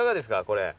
これ。